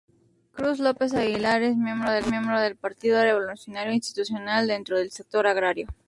Cruz López Aguilar es miembro del Partido Revolucionario Institucional dentro del Sector Agrario.